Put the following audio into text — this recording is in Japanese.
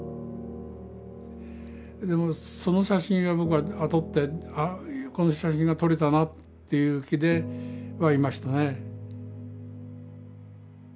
その写真は僕は撮ってこの写真が撮れたなっていう気ではいましたね。